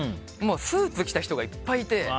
スーツ着てた人がいっぱいいて。